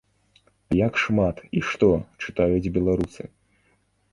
Як шмат і што чытаюць беларусы?